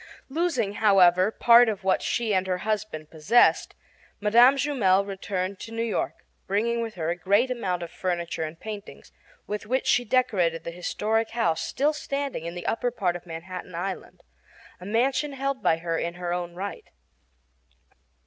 Losing, however, part of what she and her husband possessed, Mme. Jumel returned to New York, bringing with her a great amount of furniture and paintings, with which she decorated the historic house still standing in the upper part of Manhattan Island a mansion held by her in her own right.